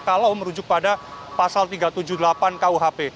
kalau merujuk pada pasal tiga ratus tujuh puluh delapan kuhp